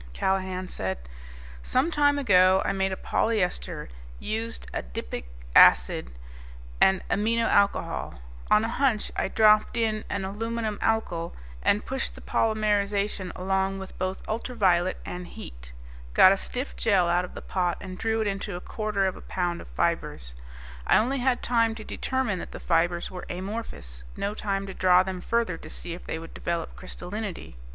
Callahan said, "Some time ago I made a polyester, used adipic acid and an amino alcohol. On a hunch I dropped in an aluminum alkyl, and then pushed the polymerization along with both ultraviolet and heat. Got a stiff gel out of the pot and drew it into a quarter of a pound of fibers. I only had time to determine that the fibers were amorphous no time to draw them further to see if they would develop crystallinity.